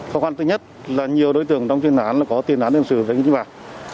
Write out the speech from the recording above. khó khăn thứ nhất là nhiều đối tượng trong tin nhắn có tin nhắn đem xử với những bạc